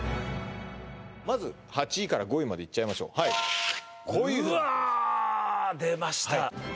まず８位から５位までいっちゃいましょうはいうわ出ました